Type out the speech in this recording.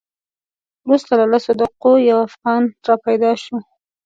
وروسته له لسو دقیقو یو افغان را پیدا شو.